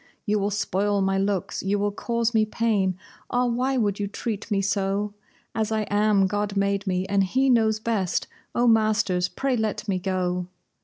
You will spoil my looks, you will cause me pain; ah, why would you treat me so? As I am, God made me, and He knows best! Oh, masters, pray let me go!"